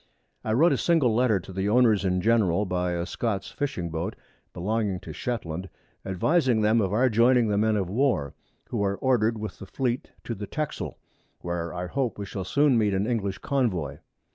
I wrote a single Letter to the Owners in general, by a Scots Fishing Boat belonging to Shetland, advising them of our joining the Men of War, who are order'd with the Fleet to the Texel, where I hope we shall soon meet an English Convoy.